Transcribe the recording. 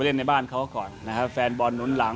ส่วนอาการบาดเจ็บของธนบุญเกษารัฐที่มีอาการบาดเจ็บเล็กน้อย